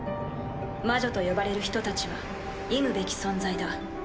魔女と呼ばれる人たちは忌むべき存在だ。